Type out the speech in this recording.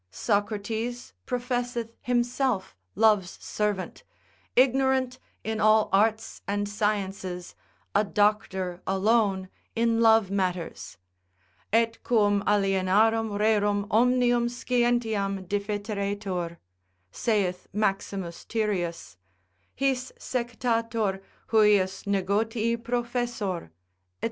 Socrates professeth himself love's servant, ignorant in all arts and sciences, a doctor alone in love matters, et quum alienarum rerum omnium scientiam diffiteretur, saith Maximus Tyrius, his sectator, hujus negotii professor, &c.